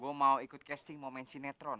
gue mau ikut casting mau main sinetron